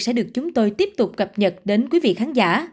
sẽ được chúng tôi tiếp tục cập nhật đến quý vị khán giả